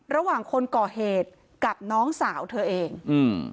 ระหว่างคนก่อเหตุกับน้องสาวเธอเองอืม